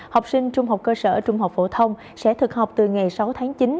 học sinh trung học cơ sở trung học phổ thông sẽ thực học từ ngày sáu tháng chín